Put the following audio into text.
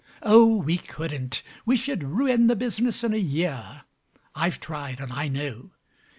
Oh, we couldn't: we should ruin the business in a year. I've tried; and I know.